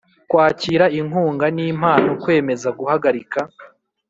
Kwakira inkunga n impano Kwemeza guhagarika